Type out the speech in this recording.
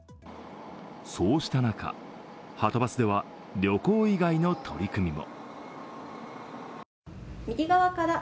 そうした中、はとバスでは旅行以外の取り組みも。